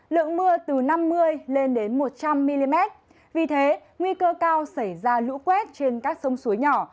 lượng mưa từ năm mươi lên đến một trăm linh mm vì thế nguy cơ cao xảy ra lũ quét trên các sông suối nhỏ